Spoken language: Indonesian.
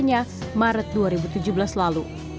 pada maret dua ribu tujuh belas lalu